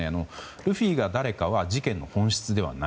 ルフィが誰かは事件の本質ではない。